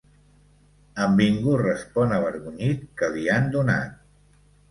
En Bingo respon avergonyit que l'hi han donat.